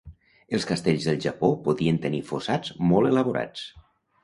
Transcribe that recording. Els castells del Japó podien tenir fossats molt elaborats.